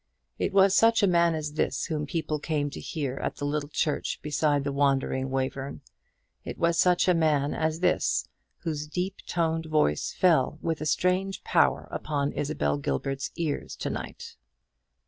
It was such a man as this whom people came to hear at the little church beside the wandering Wayverne. It was such a man as this whose deep toned voice fell with a strange power upon Isabel Gilbert's ears to night.